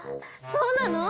そうなの？